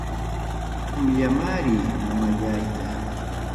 Qamllamari mamallayta.